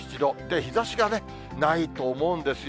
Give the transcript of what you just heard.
日ざしがね、ないと思うんですよ。